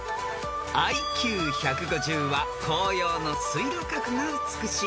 ［ＩＱ１５０は紅葉の水路閣が美しい